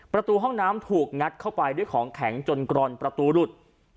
ประตูห้องน้ำถูกงัดเข้าไปด้วยของแข็งจนกรอนประตูหลุด